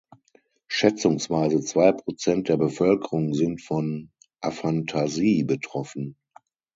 Schätzungsweise zwei Prozent der Bevölkerung sind von Afantasie betroffen.